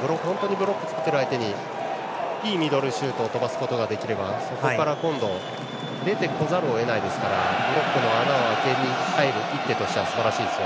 ブロックを作る相手にいいミドルシュートを飛ばすことができればそこから今度出てこざるを得ないですからブロックの穴を開けに入る一手としてはすばらしいです。